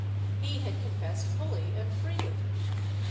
^ He had confessed fully and freely.